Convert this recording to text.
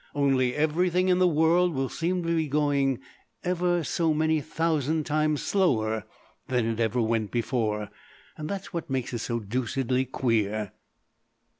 Only everything in the world will seem to be going ever so many thousand times slower than it ever went before. That's what makes it so deuced queer."